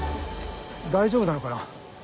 大丈夫なのかな？